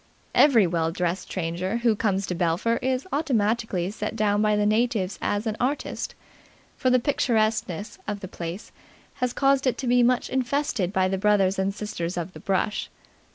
Every well dressed stranger who comes to Belpher is automatically set down by the natives as an artist, for the picturesqueness of the place has caused it to be much infested by the brothers and sisters of the brush.